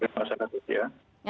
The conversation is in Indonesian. masa ratus ya